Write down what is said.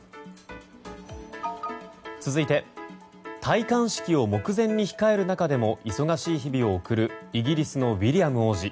続いて戴冠式を目前に控える中でも忙しい日々を送るイギリスのウィリアム王子。